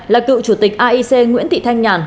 là cựu chủ tịch aic nguyễn thị thanh nhàn